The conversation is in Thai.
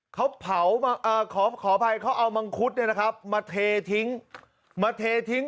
ขอเผยเขาเอามังคุดมาเททิ้ง